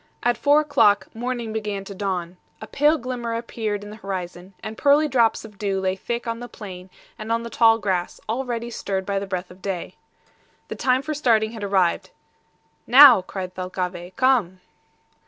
At four o'clock morning began to dawn. A pale glimmer appeared in the horizon, and pearly drops of dew lay thick on the plain and on the tall grass, already stirred by the breath of day. The time for starting had arrived. "Now!" cried Thalcave, "come."